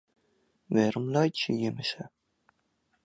Wêrom laitsje jimme sa?